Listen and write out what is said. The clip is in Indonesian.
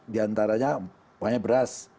diantaranya umpamanya beras